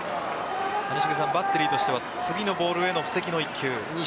バッテリーとしては次のボールへの布石の１球に。